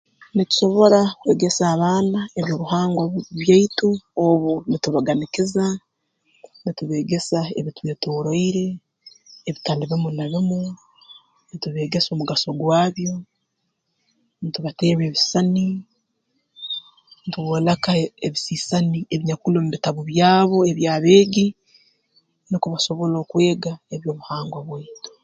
Nitusobora kwegesa abaana eby'obuhangwa byaitu obu nitubaganikiza nitubeegesa ebitwetoroire ebitali bimu na bimu ntubeegesa omugaso gwabyo ntubaterra ebisisani ntubooleka ebisisani ebinyakuli mu bitabo byabo eby'abeegi nukwo basobole okwega eby'obuhangwa bwaitu